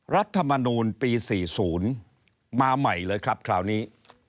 รัฐมนูลปี๔๐มาใหม่เลยครับคราวนี้